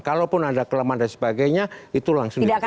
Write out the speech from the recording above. kalaupun ada kelemahan dan sebagainya itu langsung ditekan